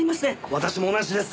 私も同じです。